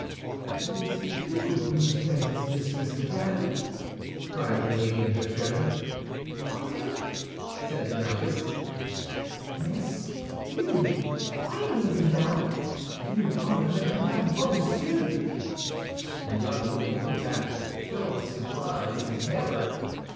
"It is you who have been his mistress, madame!" cried Milady, in her turn. "I?" said the novice. "Yes, you! I know you now. You are Madame Bonacieux!" The young woman drew back, filled with surprise and terror.